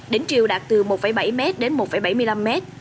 đỉnh chiều đạt từ một bảy m đến một bảy mươi năm m